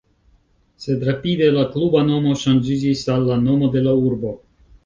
Sed rapide la kluba nomo ŝanĝiĝis al la nomo de la urbo.